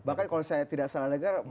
bahkan kalau saya tidak salah negara